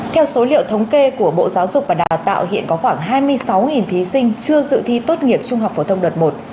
theo số liệu thống kê của bộ giáo dục và đào tạo hiện có khoảng hai mươi sáu thí sinh chưa dự thi tốt nghiệp trung học phổ thông đợt một